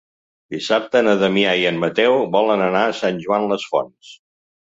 Dissabte na Damià i en Mateu volen anar a Sant Joan les Fonts.